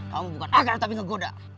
kamu bukan aku tapi ngegoda